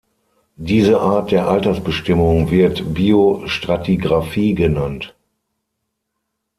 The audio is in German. Diese Art der Altersbestimmung wird Biostratigraphie genannt.